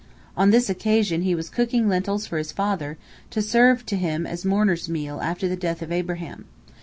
On this occasion he was cooking lentils for his father, to serve to him as his mourner's meal after the death of Abraham.